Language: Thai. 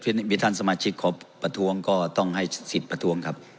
มีท่านสมาชิกขอประท้วงก็ต้องให้สิทธิ์ประท้วงครับ